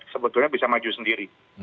sebetulnya bisa maju sendiri